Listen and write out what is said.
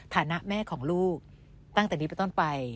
ฐานะแม่ของลูกตั้งแต่นี้ไปต้นไป